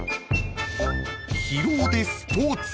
［広尾でスポーツ？］